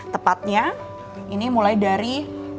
tepatnya ini mulai dari dua ribu dua puluh